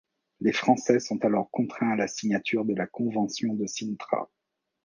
Les Français sont alors contraints à la signature de la convention de Sintra.